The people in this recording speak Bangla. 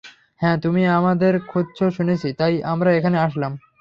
হ্যাঁ তুমি আমাদের খুঁজছো শুনেছি, তাই আমরা এখানে আসলাম।